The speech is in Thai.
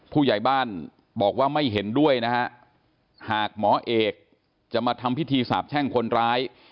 ผู้ใหญ่บ้านบอกว่าไม่เห็นด้วยนะฮะหากหมอเอกจะมาทำพิธีสาบแช่งคนร้าย